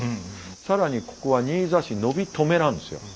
更にここは新座市野火止なんですよ。